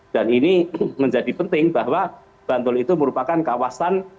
dan ini menjadi penting bahwa bantul itu merupakan kawasan